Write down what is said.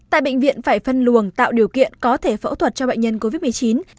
tại bệnh viện phải phân luồng tạo điều kiện có thể phẫu thuật cho bệnh nhân covid một mươi chín